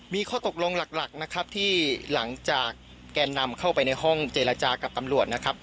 มีข้อตกลงหลักนะครับที่หลังจากแกนนำเข้าไปในห้องเจรจากับตำรวจนะครับ